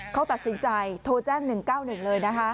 เขาตัดสินใจโทรแจ้ง๑๙๑เลยนะคะ